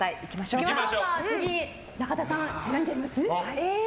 中田さん、選んじゃいます？